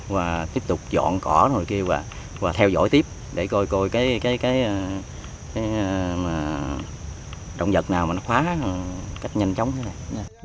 và tiếp tục dọn cỏ rồi kia và theo dõi tiếp để coi coi cái động vật nào mà nó khóa cách nhanh chóng thế này